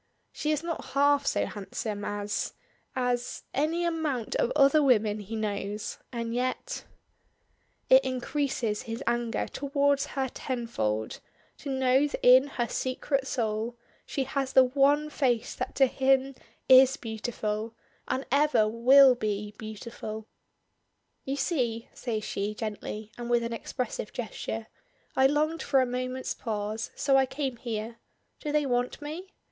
She is not half so handsome as as any amount of other women he knows, and yet It increases his anger towards her tenfold to know that in her secret soul she has the one face that to him is beautiful, and ever will be beautiful. "You see," says she gently, and with an expressive gesture, "I longed for a moment's pause, so I came here. Do they want me?"